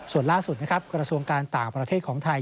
ส่วนล่าสุดนะครับกระทรวงการต่างประเทศของไทย